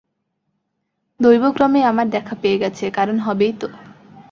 দৈবক্রমেই আমার দেখা পেয়ে গেছে, কারণ হবেই তো।